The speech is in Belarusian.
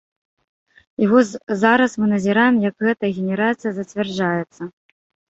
І вось зараз мы назіраем, як гэтая генерацыя зацвярджаецца.